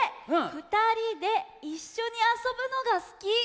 「ふたりでいっしょにあそぶのがすき」。